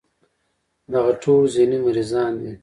دغه ټول ذهني مريضان دي